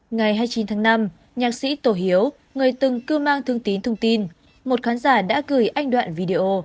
ngày hai mươi chín tháng năm nhạc sĩ tổ hiếu người từng cư mang thương tín thông tin một khán giả đã gửi anh đoạn video